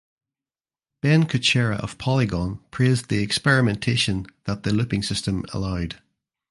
Ben Kuchera of "Polygon" praised the experimentation that the looping system allowed.